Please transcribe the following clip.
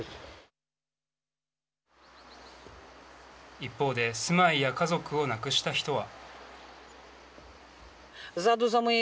一方で住まいや家族を亡くした人は。